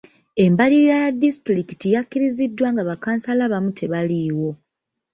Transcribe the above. Embalirira ya disitulikiti yakkiriziddwa nga bakansala abamu tebaliiwo.